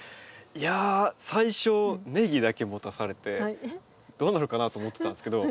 いやあ最初ネギだけ持たされてどうなるかなと思ってたんですけど。